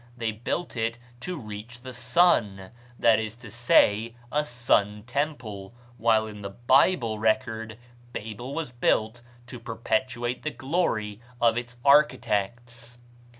They built it to reach the sun that is to say, as a sun temple; while in the Bible record Babel was built to perpetuate the glory of its architects.